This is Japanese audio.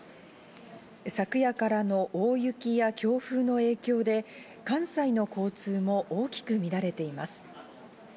昨夜からの大雪や強風の影響で、関西の交通も、大きく乱れています。